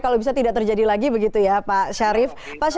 kalau bisa tidak terjadi lagi begitu ya pak syarif